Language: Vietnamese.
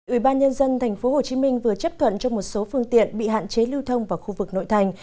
ủy ban nhân dân tp hcm vừa chấp thuận cho một số phương tiện bị hạn chế lưu thông vào khu vực nội thành